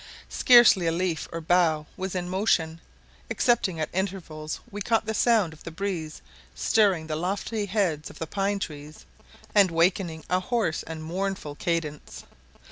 Scarcely a leaf or bough was in motion, excepting at intervals we caught the sound of the breeze stirring the lofty heads of the pine trees, and wakening a hoarse and mournful cadence.